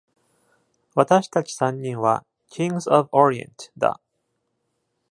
私たち三人は「Kings of Orient」だ。